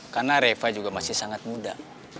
karena reva juga masih sangat muda